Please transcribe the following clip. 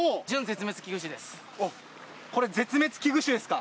これ絶滅危惧種ですか。